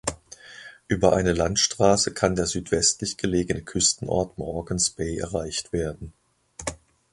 Über eine Landstraße kann der südwestlich gelegene Küstenort Morgan’s Bay erreicht werden.